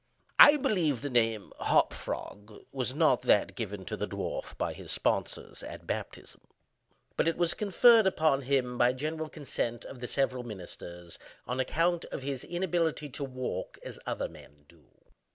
I believe the name "Hop Frog" was not that given to the dwarf by his sponsors at baptism, but it was conferred upon him, by general consent of the seven ministers, on account of his inability to walk as other men do.